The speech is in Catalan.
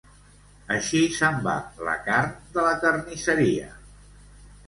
Així se'n va la carn de la carnisseria.